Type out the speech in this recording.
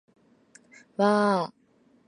わー